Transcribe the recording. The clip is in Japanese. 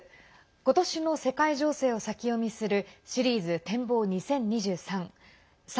今年の世界情勢を先読みするシリーズ展望２０２３。